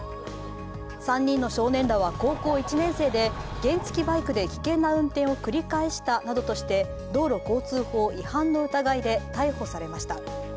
３人の少年らは高校１年生で原付バイクで危険な運転を繰り返したなどとして道路交通法違反の疑いで逮捕されました。